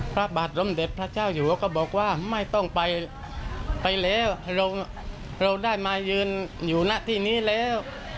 พระบาทสมเด็จพระเจ้าอยู่หัวก็บอกว่าไม่ต้องไปไปเลยเราได้มาอยู่ที่นี้เลย